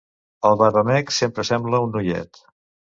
El barbamec sempre sembla un noiet.